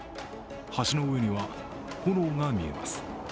橋の上には炎が見えます。